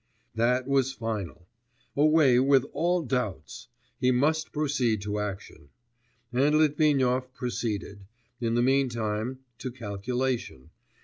That was final! Away with all doubts.... He must proceed to action. And Litvinov proceeded in the meantime to calculation.